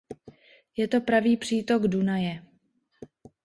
Je to pravý přítok Dunaje.